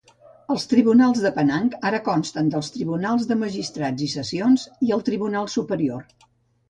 Els tribunals de Penang ara consten del tribunals de magistrats i sessions i el tribunal superior.